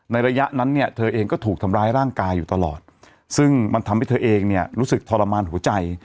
ระยะนั้นเนี่ยเธอเองก็ถูกทำร้ายร่างกายอยู่ตลอดซึ่งมันทำให้เธอเองเนี่ยรู้สึกทรมานหัวใจ